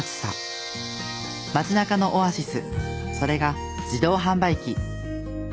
街中のオアシスそれが自動販売機。